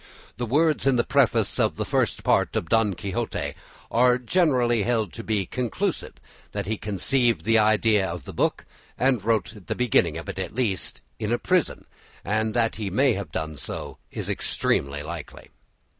The words in the preface to the First Part of "Don Quixote" are generally held to be conclusive that he conceived the idea of the book, and wrote the beginning of it at least, in a prison, and that he may have done so is extremely likely.